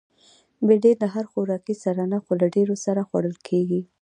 بېنډۍ له هر خوراکي سره نه، خو له ډېرو سره خوړل کېږي